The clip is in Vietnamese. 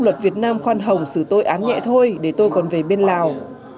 luật việt nam khoan hồng xử tôi án nhẹ thôi để tôi còn về bên lào